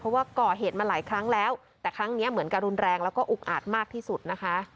เพราะว่าก่อเหตุมาหลายครั้งแล้วแต่ครั้งนี้เหมือนกับรุนแรงแล้วก็อุกอาจมากที่สุดนะคะ